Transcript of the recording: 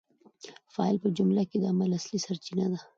فاعل په جمله کي د عمل اصلي سرچینه ده.